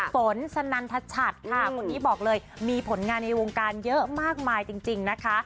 ฝนสนันทชัดค่ะคนนี้บอกเลยมีผลงานในวงการเยอะมากมายจริงนะคะ